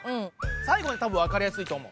最後は多分わかりやすいと思う。